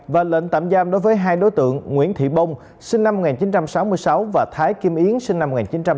và lệnh tạm giam đối với hai đối tượng nguyễn thị bông sinh năm một nghìn chín trăm sáu mươi sáu và thái kim yến sinh năm một nghìn chín trăm tám mươi